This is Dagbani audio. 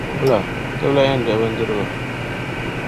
Wula, ti bɛ lahi yɛn duhi bindirgu?